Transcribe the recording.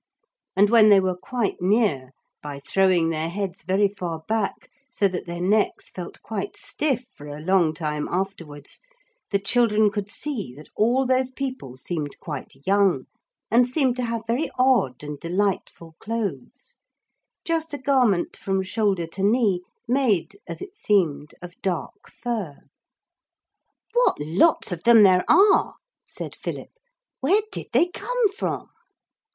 And when they were quite near, by throwing their heads very far back, so that their necks felt quite stiff for quite a long time afterwards, the children could see that all those people seemed quite young, and seemed to have very odd and delightful clothes just a garment from shoulder to knee made, as it seemed, of dark fur. [Illustration: Slowly they came to the great gate of the castle.] 'What lots of them there are,' said Philip; 'where did they come from?'